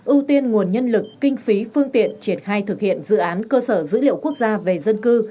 ưu tiên nguồn nhân lực kinh phí phương tiện triển khai thực hiện dự án cơ sở dữ liệu quốc gia về dân cư